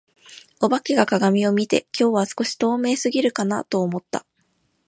お化けが鏡を見て、「今日は少し透明過ぎるかな」と思った。